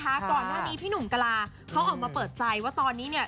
ก่อนหน้านี้พี่หนุ่มกลาเขาออกมาเปิดใจว่าตอนนี้เนี่ย